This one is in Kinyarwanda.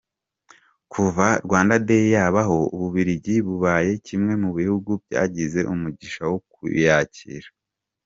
Kuva Rwanda Day yabaho, u Bubiligi bubaye kimwe mu bihugu byagize umugisha wo kuyakira.